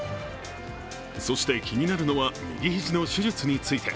そして気になるのは右肘の手術について。